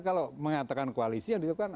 kalau mengatakan koalisi yang dilakukan